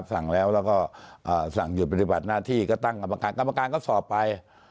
สั่งแล้วแล้วก็สั่งหยุดปฏิบัติหน้าที่ก็ตั้งกรรมการกรรมการก็สอบไป